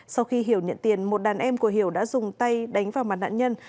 sau khi hiểu nhận tiền một đàn em của hiểu đã dùng tay đánh vào mặt nạn nhân